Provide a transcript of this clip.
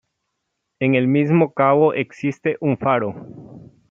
En el mismo cabo existe un faro.